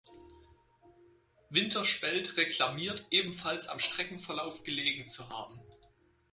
Winterspelt reklamiert, ebenfalls am Streckenverlauf gelegen zu haben.